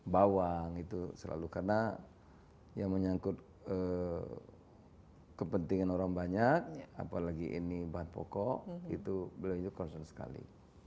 bawang itu selalu karena yang menyangkut kepentingan orang banyak apalagi ini bahan pokok itu beliau concern sekali